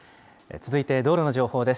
続いて道路の情報です。